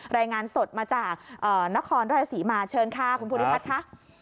รายงานสดมาจากนครราชศรีมาเชิญค่ะคุณภูริพัฒน์ค่ะ